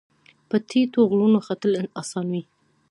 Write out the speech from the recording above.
په ټیټو غرونو ختل اسان وي